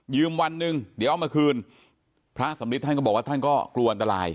วันหนึ่งเดี๋ยวเอามาคืนพระสำริทท่านก็บอกว่าท่านก็กลัวอันตราย